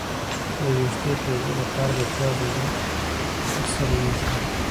د ویښتو تویدو لپاره د پیاز اوبه په سر ومښئ